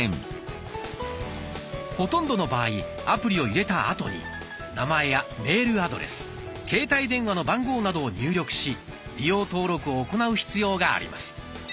ほとんどの場合アプリを入れたあとに名前やメールアドレス携帯電話の番号などを入力し利用登録を行う必要があります。